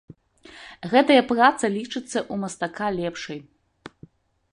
Гэтая праца лічыцца ў мастака лепшай.